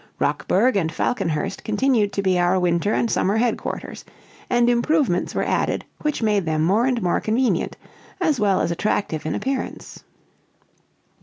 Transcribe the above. Rockburg and Falconhurst continued to be our winter and summer headquarters, and improvements were added which made them more and more convenient, as well as attractive in appearance.